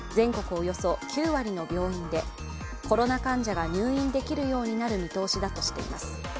およそ９割の病院でコロナ患者が入院できるようになる見通しだとしています。